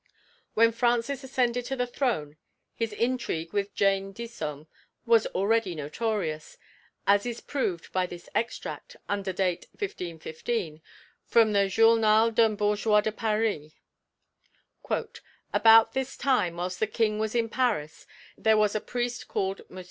When Francis ascended the throne his intrigue with Jane Disome was already notorious, as is proved by this extract, under date 1515, from the Journal d'un Bourgeois de Paris: "About this time whilst the King was in Paris, there was a priest called Mons.